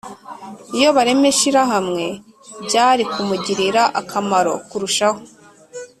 iyo barema ishyirahamwe byari kumugirira akamaro kurushaho